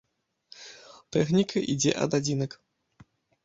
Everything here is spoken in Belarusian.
Тэхніка ідзе ад адзінак.